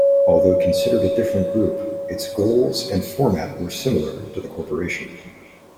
Although considered a different group, its goals and format were similar to The Corporation.